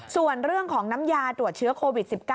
ส่วนเรื่องของน้ำยาตรวจเชื้อโควิด๑๙